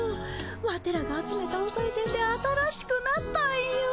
ワテらが集めたおさいせんで新しくなったんよ。